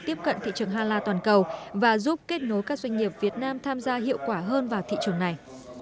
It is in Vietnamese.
tiếp cận thị trường hala toàn cầu và giúp kết nối các doanh nghiệp việt nam tham gia hiệu quả hơn vào thị trường này